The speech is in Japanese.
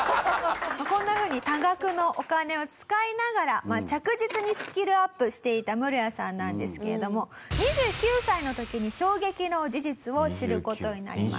こんなふうに多額のお金を使いながら着実にスキルアップしていたムロヤさんなんですけれども２９歳の時に衝撃の事実を知る事になります。